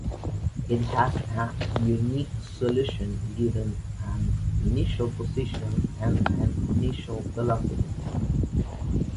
It has a unique solution, given an initial position and an initial velocity.